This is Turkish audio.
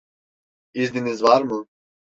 İzniniz var mı?